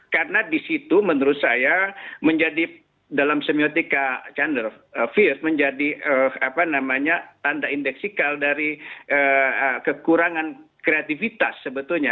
karena di situ menurut saya menjadi dalam semiotika chandler fierce menjadi tanda indeksikal dari kekurangan kreativitas sebetulnya